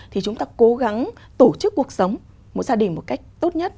thì chúng ta cố gắng tổ chức cuộc sống một gia đình một cách tốt nhất